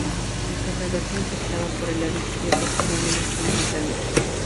El cargador se insertaba por el lado izquierdo, como en el Sten británico.